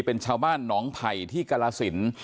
เป็นชาวบ้านหนองไผ่ที่กรสิน